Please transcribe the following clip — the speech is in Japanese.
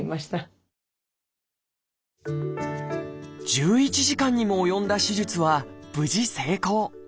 １１時間にも及んだ手術は無事成功。